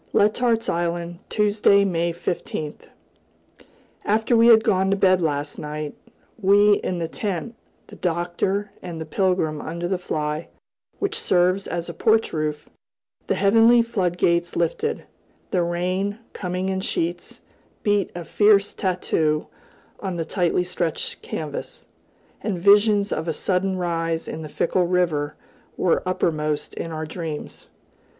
Letart's Island, Tuesday, May 15th. After we had gone to bed last night, we in the tent, the Doctor and Pilgrim under the fly, which serves as a porch roof, the heavenly floodgates lifted; the rain, coming in sheets, beat a fierce tattoo on the tightly stretched canvas, and visions of a sudden rise in the fickle river were uppermost in our dreams.